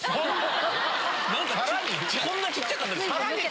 さらに⁉こんな小っちゃかった？